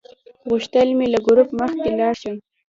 غوښتل مې له ګروپ مخکې لاړ شم.